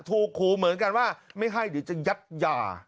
ครูเหมือนกันว่าไม่ให้เดี๋ยวจะยัดยา